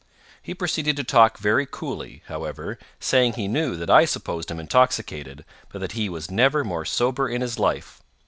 He proceeded to talk very coolly, however, saying he knew that I supposed him intoxicated, but that he was never more sober in his life.